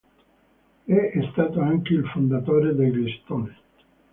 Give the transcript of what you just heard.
È stato anche il fondatore degli Stone.